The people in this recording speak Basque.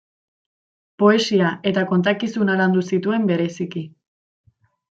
Poesia eta kontakizuna landu zituen bereziki.